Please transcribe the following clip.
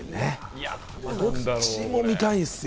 いや、どっちも見たいですよ。